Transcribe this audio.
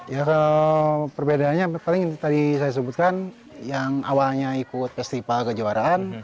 ya perbedaannya paling tadi saya sebutkan yang awalnya ikut festival kejuaraan